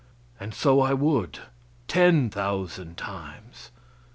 And so I would, ten thousand times.